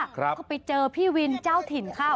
ก็ไปเจอพี่วินเจ้าถิ่นเข้า